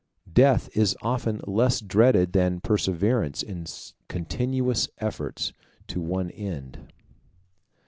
Death is often less dreaded than perseverance in continuous efforts to one end.